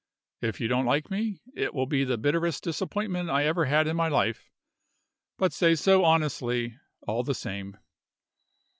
If you don't like me, it will be the bitterest disappointment I ever had in my life; but say so honestly, all the same."